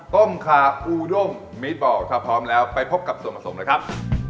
ต้มคาอูด้งมีดบอลถ้าพร้อมแล้วไปพบกับส่วนผสมเลยครับ